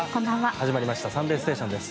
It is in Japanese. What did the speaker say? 始まりました「サンデーステーション」です。